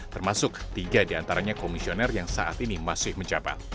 termasuk tiga diantaranya komisioner yang saat ini masih menjabat